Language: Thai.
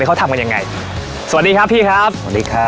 เขาทำกันยังไงสวัสดีครับพี่ครับสวัสดีครับ